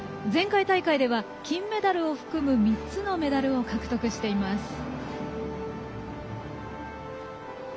前回大会では、金メダルを含む３つのメダルを獲得しています。